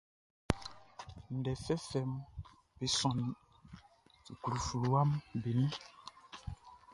Ndɛ fɛfɛʼm be sɔnnin suklu fluwaʼm be nun.